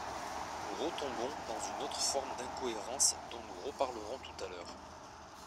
nous retombons dans une autre forme d’incohérence dont nous reparlerons tout à l’heure.